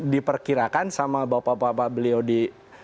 diperkirakan sama bapak bapak beliau di